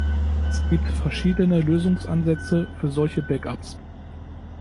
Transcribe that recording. Es gibt verschiedene Lösungsansätze für solche Backups.